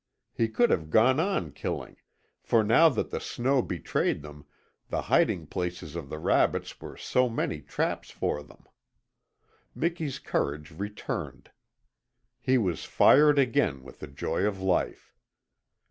He could have gone on killing, for now that the snow betrayed them, the hiding places of the rabbits were so many traps for them. Miki's courage returned. He was fired again with the joy of life.